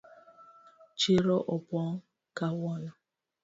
Chiro opong’ kawuono.